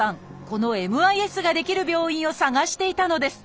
このＭＩＳができる病院を探していたのです。